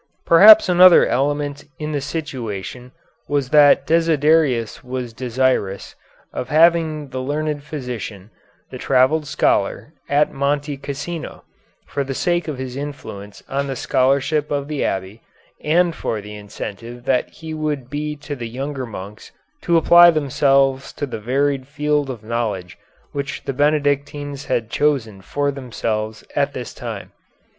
Perhaps another element in the situation was that Desiderius was desirous of having the learned physician, the travelled scholar, at Monte Cassino, for the sake of his influence on the scholarship of the abbey, and for the incentive that he would be to the younger monks to apply themselves to the varied field of knowledge which the Benedictines had chosen for themselves at this time.